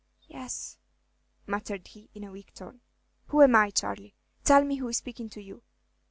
"Yes," muttered he, in a weak tone. "Who am I, Charley? Tell me who is speaking to you."